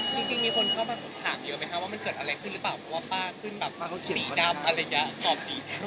จริงมีคนเข้ามาถามดีกว่ามันเกิดอะไรขึ้นรึเปล่าก็ถามิเติบอะไรกั๊ปอ๋อป้าขึ้นสีดำอะไรกั๊ป